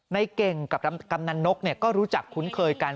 ในเก่งกับกำนันนกก็รู้จักคุ้นเคยกัน